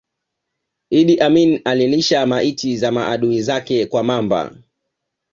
Idi Amin alilisha maiti za maadui zake kwa mamba